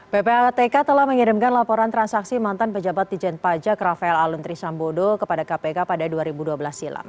ppatk telah mengirimkan laporan transaksi mantan pejabat di jen pajak rafael aluntri sambodo kepada kpk pada dua ribu dua belas silam